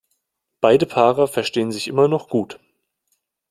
Beide Paare verstehen sich immer noch gut.